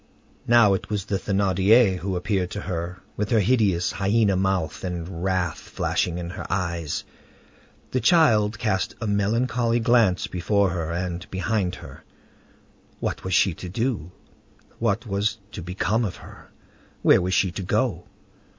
Now it was the Thénardier who appeared to her, with her hideous, hyena mouth, and wrath flashing in her eyes. The child cast a melancholy glance before her and behind her. What was she to do? What was to become of her? Where was she to go?